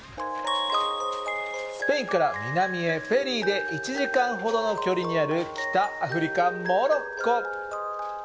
スペインから南へフェリーで１時間ほどの距離にある北アフリカ、モロッコ。